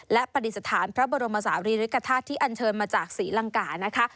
และปฏิสถานพระบรมศาลีริกฐาตุที่อันเชิญมาจากศรีลังกานะคะ